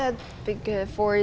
untuk belajar gamelan